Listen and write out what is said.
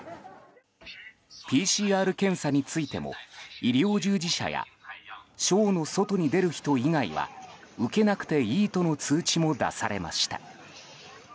ＰＣＲ検査についても医療従事者や省の外に出る人以外は受けなくていいとの通知も出されました。